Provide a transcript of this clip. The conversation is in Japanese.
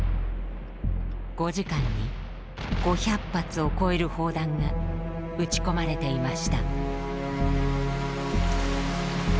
５時間に５００発を超える砲弾が撃ち込まれていました。